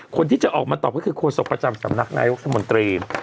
คนที่จะออกมาตอบก็คือโฆษกประจำสำนักนายกรัฐมนตรี